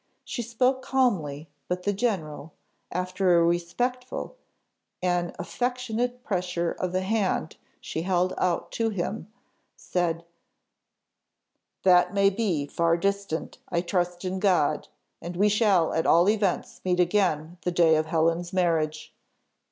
She spoke calmly, but the general, after a respectful an affectionate pressure of the hand she held out to him, said, "That may be far distant, I trust in God, and we shall at all events meet again the day of Helen's marriage."